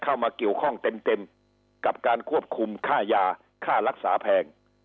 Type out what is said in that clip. เข้ามาเกี่ยวข้องเต็มกับการควบคุมค่ายาค่ารักษาแพง